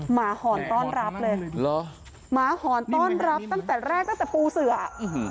หอนต้อนรับเลยเหรอหมาหอนต้อนรับตั้งแต่แรกตั้งแต่ปูเสืออื้อหือ